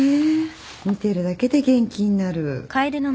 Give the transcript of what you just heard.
見てるだけで元気になる。